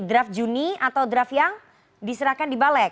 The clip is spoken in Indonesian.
draft juni atau draft yang diserahkan di balik